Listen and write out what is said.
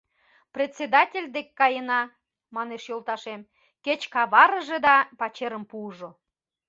— Председатель дек каена, — манеш йолташем, — кеч каварыже да пачерым пуыжо.